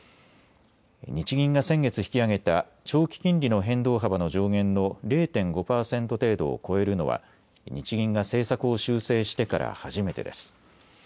日銀が先月引き上げた長期金利の変動幅の上限の０．５％程度を超えるのは日銀が政策を修正してから初めてです。